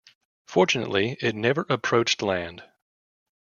Fortunately, it never approached land.